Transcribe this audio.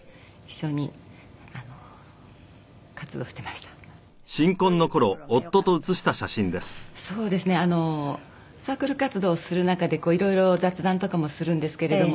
そうですねあのサークル活動をする中でこういろいろ雑談とかもするんですけれども。